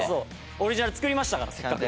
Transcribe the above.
オリジナル作りましたからせっかく。